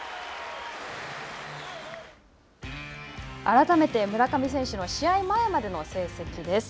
改めて村上選手の試合前までの成績です。